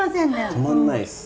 止まんないです。